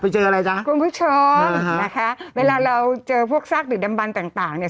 ไปสิอ่ะไปเจออะไรจ๊ะคุณผู้ชมอ่าฮะนะคะเวลาเราเจอพวกซากหรือดำบันต่างต่างเนี้ย